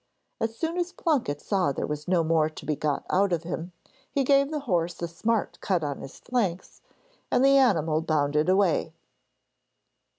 As soon as Plunket saw there was no more to be got out of him, he gave the horse a smart cut on his flanks, and the animal bounded away.